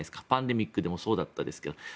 パンデミックもそうだったですけど。